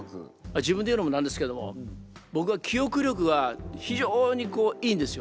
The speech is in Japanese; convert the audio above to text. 自分で言うのもなんですけども僕は記憶力が非常にいいんですよ。